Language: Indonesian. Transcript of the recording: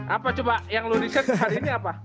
apa coba yang lu reset hari ini apa